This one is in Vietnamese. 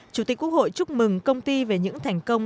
chủ tịch quốc hội chúc mừng công ty về những thành công